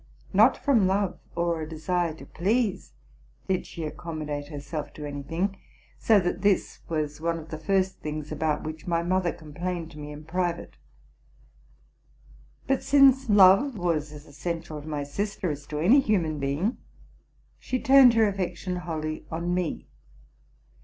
Not from love or a desire to please did she accommodate herself to any thing, so that this was one of the first things about which my mother complained to me in private. But, since love was as essential to my sister as to any human being, she turned her affection wholly on me.